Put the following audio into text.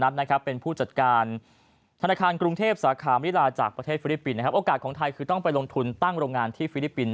ธนาคารกรุงเทพสาขาไม่ได้ลาจากประเทศฟิลิปปินส์นะครับโอกาสของไทยคือต้องไปลงทุนตั้งโรงงานที่ฟิลิปปินส์